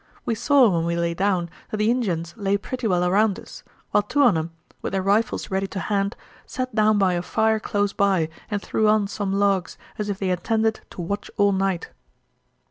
We saw, when we lay down, that the Injuns lay pretty well around us, while two on 'em, with their rifles ready to hand, sat down by a fire close by and threw on some logs, as if they intended to watch all night.